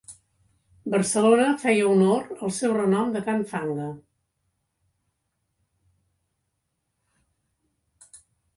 Barcelona feia honor al seu renom de can Fanga.